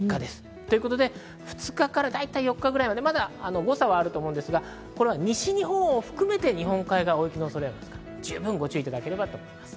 ということで、２日から４日くらいまで誤差はありますが、西日本を含めて日本海側が大雪の恐れがありますから、十分ご注意いただければと思います。